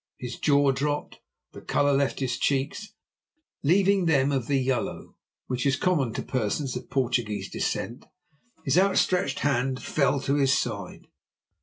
His jaw dropped, the colour left his cheeks, leaving them of the yellow which is common to persons of Portuguese descent; his outstretched hand fell to his side.